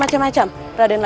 ayo pilih cara pertama rasanya